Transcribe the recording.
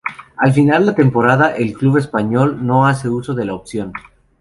Al finalizar la temporada el club español no hace uso de la opción.